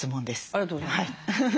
ありがとうございます。